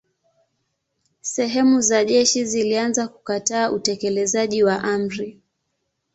Sehemu za jeshi zilianza kukataa utekelezaji wa amri.